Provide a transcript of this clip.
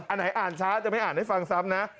อันไหนอ่านช้าจะไม่อ่านให้ฟังซ้ำนะ